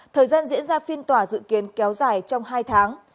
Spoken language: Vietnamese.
thời gian diễn ra phiên tòa dự kiến kéo dài trong hai tháng